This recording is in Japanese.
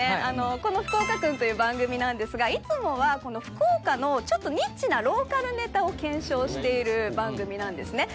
この「福岡くん。」という番組はいつもは福岡のニッチなローカルネタを検証している番組なんですね。